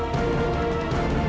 aku akan buktikan